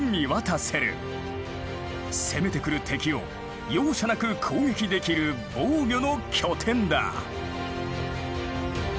攻めてくる敵を容赦なく攻撃できる防御の拠点だ。